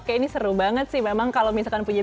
kayak ini seru banget sih memang kalau misalkan punya